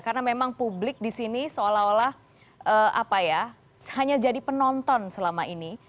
karena memang publik di sini seolah olah apa ya hanya jadi penonton selama ini